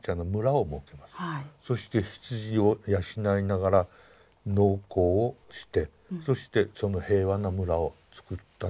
そして羊を養いながら農耕をしてそしてその平和な村をつくったのがウルフィラという。